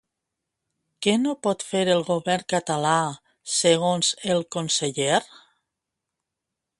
Què no pot fer el govern català, segons el conseller?